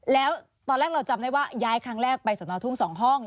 แล้วตอนแรกเราจำได้ว่าย้ายครั้งแรกไปสนทุ่ง๒ห้อง